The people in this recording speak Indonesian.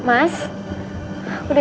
aku mau ke rumah